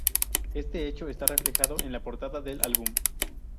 Este hecho está reflejado en la portada del álbum.